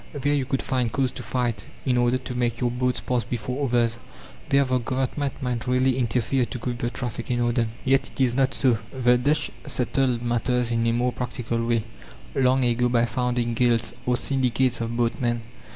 There you could find cause to fight, in order to make your boats pass before others. There the Government might really interfere to keep the traffic in order. Yet it is not so. The Dutch settled matters in a more practical way, long ago, by founding guilds, or syndicates of boatmen.